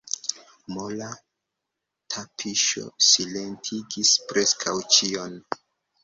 Mola tapiŝo silentigis preskaŭ ĉion.